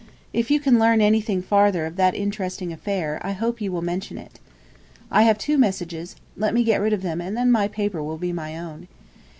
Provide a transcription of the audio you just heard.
If you can learn anything farther of that interesting affair, I hope you will mention it. I have two messages; let me get rid of them, and then my paper will be my own.